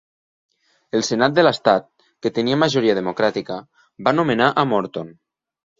El senat de l'estat, que tenia majoria democràtica, va nomenar a Morton.